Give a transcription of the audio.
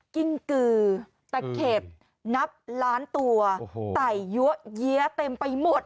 กิ้งกือตะเข็บนับล้านตัวไต่ยั้วเยี้ยเต็มไปหมด